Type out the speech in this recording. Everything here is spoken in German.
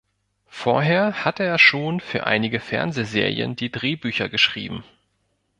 Vorher hatte er schon für einige Fernsehserien die Drehbücher geschrieben.